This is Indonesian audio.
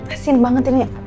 asin banget ini